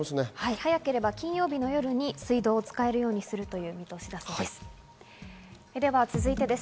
早ければ金曜日の夜に水道を使えるようにする見通しだということです。